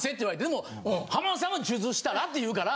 でも浜田さんは数珠したらって言うから。